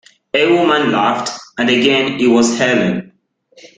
A woman laughed, and again it was Helene.